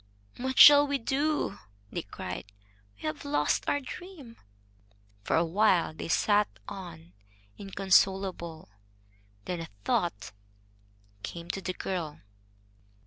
"What shall we do?" they cried. "We have lost our dream." For a while they sat on, inconsolable. Then a thought came to the girl.